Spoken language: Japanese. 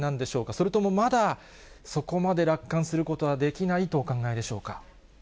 それともまだ、そこまで楽観することはできないとお考えでしょうか。